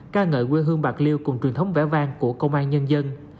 ca ngợi quê hương bạc liêu cùng truyền thống vẽ vang của công an nhân dân